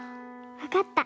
わかった。